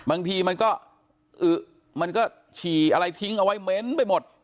บางทีมันก็อึมันก็ฉี่อะไรทิ้งเอาไว้เหม็นไปหมด